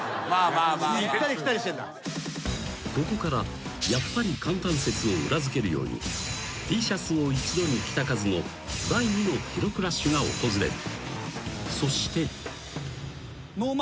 ［ここからやっぱり簡単説を裏付けるようにＴシャツを一度に着た数の第２の記録ラッシュが訪れる］